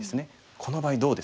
この場合どうですか？